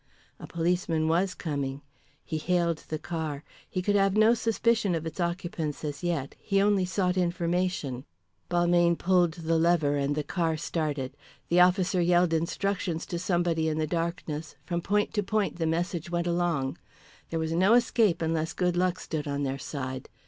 A policeman was coming. He hailed the car. He could have no suspicion of its occupants as yet, he only sought information. Balmayne pulled the lever and the car started. The officer yelled instructions to somebody in the darkness; from point to point the message went along. There was no escape unless good luck stood on their side.